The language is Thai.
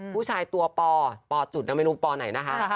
ผู้ชายตัวปอปจุดนะไม่รู้ปไหนนะคะ